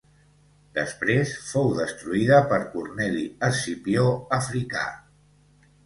Després fou destruïda per Corneli Escipió Africà.